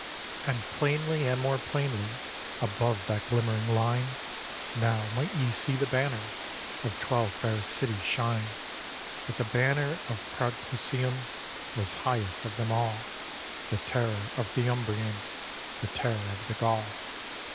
And plainly, and more plainly Above that glimmering line, Now might ye see the banners Of twelve fair cities shine; But the banner of proud Clusium Was highest of them all, The terror of the Umbrian, The terror of the Gaul.